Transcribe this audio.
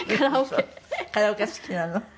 カラオケが好きなの？